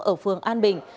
ở phường an bình